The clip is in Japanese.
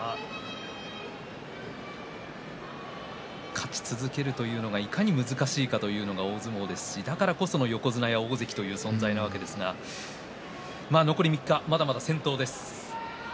勝ち続けるというのがいかに難しいかというのが大相撲ですしだからこそ横綱や大関という存在なわけですが残り３日、まだまだ先頭です。